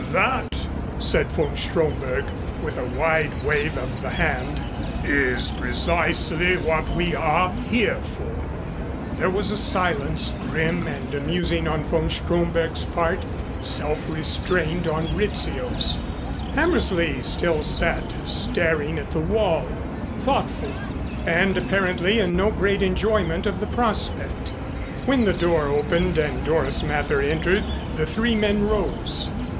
"That," said von Stromberg, with a wide wave of the hand, "is precisely what we are here for." There was a silence, grim and amusing on von Stromberg's part, self restrained on Rizzio's. Hammersley still sat staring at the wall, thoughtful and apparently in no great enjoyment of the prospect. When the door opened and Doris Mather entered the three men rose.